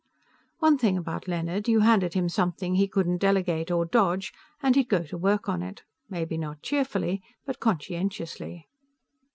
One thing about Leonard; you handed him something he couldn't delegate or dodge and he'd go to work on it. Maybe not cheerfully, but conscientiously.